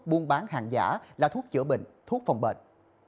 buôn bán hàng giả là thuốc chữa bệnh thuốc phòng bệnh